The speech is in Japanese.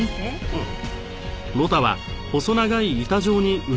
うん。